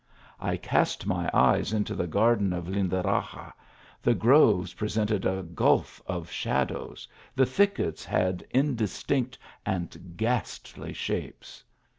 I cast my eyes into the garden of Lindaraxa; the groves presented a gulf of shadows ; the thickets had indistinct and ghastly shapes.